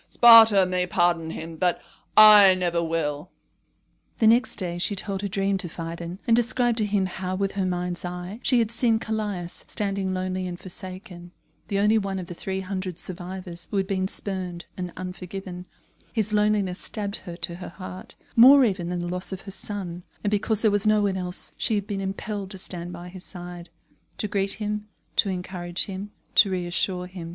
"Sparta may pardon him, but I never will." [Illustration: True Spartan Hearts Painted for Princess Mary's Gift Book by Edmund Dulac] The next day she told her dream to Phidon, and described to him how with her mind's eye she had seen Callias standing lonely and forsaken, the only one of the three hundred survivors who had been spurned and unforgiven. His loneliness stabbed her to her heart, more even than the loss of her son; and because there was no one else, she had been impelled to stand by his side, to greet him, to encourage him, to reassure him.